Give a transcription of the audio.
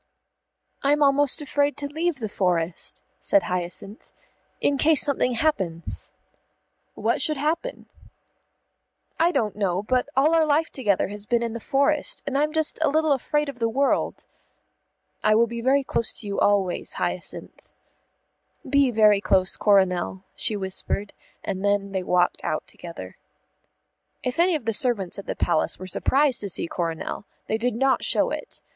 "I'm almost afraid to leave the forest," said Hyacinth, "in case something happens." "What should happen?" "I don't know; but all our life together has been in the forest, and I'm just a little afraid of the world." "I will be very close to you always, Hyacinth." "Be very close, Coronel," she whispered, and then they walked out together. If any of the servants at the Palace were surprised to see Coronel, they did not show it.